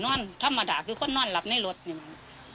นั่นธรรมาดั้กคืิคนนั่นหลับในรถเนี่ยไหม